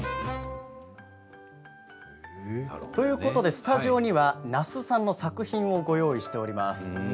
スタジオには那須さんの作品をご用意しています。